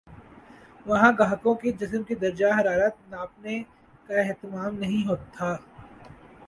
وہاں گاہکوں کے جسم کے درجہ حرارت ناپنے کا اہتمام نہیں تھا